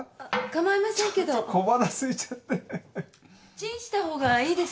「チン」したほうがいいですよ。